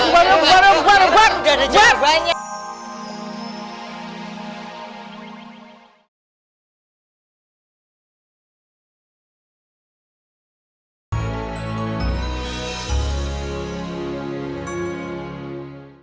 baru baru baru pak gak ada jawabannya